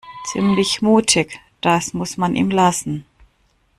Ziemlich mutig, das muss man ihm lassen.